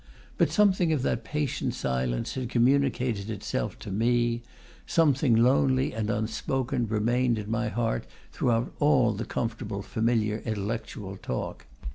But something of that patient silence had communicated itself to me, something lonely and unspoken remained in my heart throughout all the comfortable familiar intellectual talk.